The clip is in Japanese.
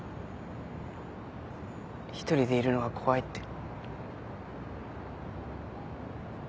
一人でいるのが怖いって。